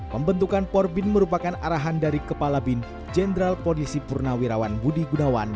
pembentukan porbin merupakan arahan dari kepala bin jenderal polisi purnawirawan budi gunawan